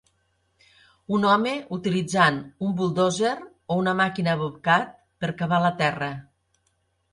Un home utilitzant una buldòzer o una màquina Bobcat per cavar la terra.